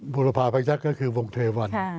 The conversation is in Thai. บุรพาพยักษ์ก็คือวงเทวัน